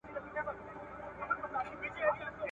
زړور سرتیري په جګړه کي ښه بخت لري.